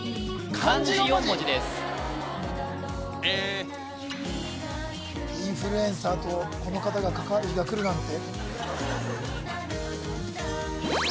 漢字４文字です「インフルエンサー」とこの方が関わる日が来るなんて